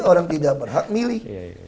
orang tidak berhak milih